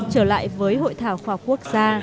trở lại với hội thảo khoa quốc gia